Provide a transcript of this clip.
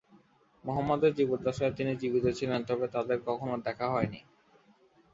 মুহাম্মদ এর জীবদ্দশায় তিনি জীবিত ছিলেন তবে তাদের কখনো দেখা হয়নি।